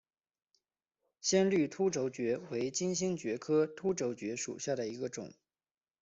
鲜绿凸轴蕨为金星蕨科凸轴蕨属下的一个种。